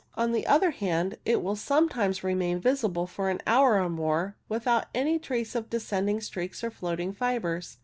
On the other hand, it will sometimes remain visible for an hour or more without any trace of descending streaks or floating fibres.